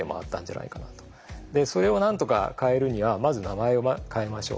それをなんとか変えるにはまず名前を変えましょう。